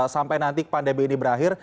sampai nanti pandemi ini berakhir